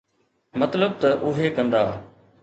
مطلب ته اهي ڪندا.